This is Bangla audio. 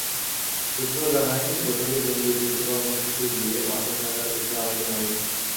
সূত্র জানায়, বৈঠকে জঙ্গি ইস্যুতে কর্মসূচি দিয়ে মাঠে থাকার বিষয়ে আলোচনা হয়েছে।